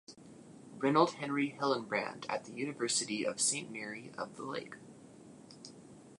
Reynold Henry Hillenbrand at the University of Saint Mary of the Lake.